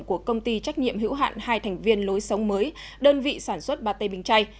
của công ty trách nhiệm hữu hạn hai thành viên lối sống mới đơn vị sản xuất bà tê bình chay